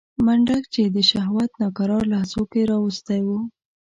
منډک چې د شهوت ناکرار لحظو کې راوستی و.